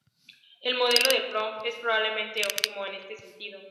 El modelo de Ptolomeo es probablemente óptimo en este sentido.